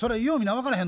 分からへん